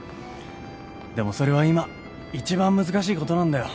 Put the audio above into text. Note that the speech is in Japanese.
でもそれは今一番難しいことなんだよ。